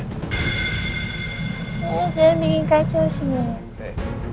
sebenernya jangan bikin kacau di sini